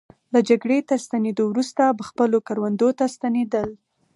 له جګړې تر ستنېدو وروسته به خپلو کروندو ته ستنېدل.